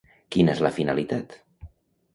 Quina és la finalitat?